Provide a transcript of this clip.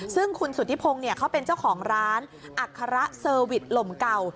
ซึ่งคุณสุธิพงศ์เขาเป็นเจ้าของร้านอัคระเซอร์วิสลมเก่า